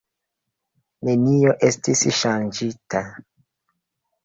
Nenio estis ŝanĝita.